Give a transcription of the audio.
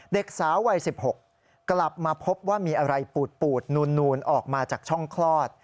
เด็กสาววัย๑๖กลับมาพบว่ามีอะไรปูดนูนออกมาจากช่องคลอด